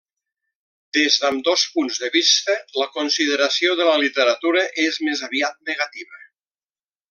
Des d'ambdós punts de vista, la consideració de la literatura és més aviat negativa.